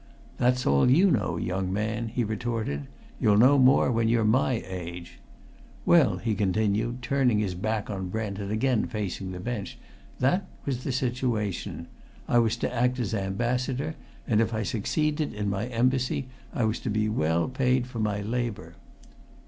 "That's all you know, young man," he retorted. "You'll know more when you're my age. Well," he continued, turning his back on Brent and again facing the bench, "that was the situation. I was to act as ambassador, and if I succeeded in my embassy I was to be well paid for my labour."